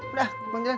udah bang jalan